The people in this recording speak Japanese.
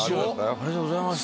ありがとうございます。